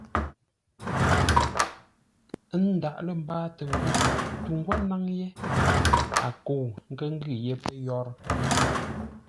Ə́ ndǎʼ lə́ mbâatə ngô tu ńgwó ńnáŋ yé a kə̂u nkə́ ngʉ́ yé pə́ yórə́.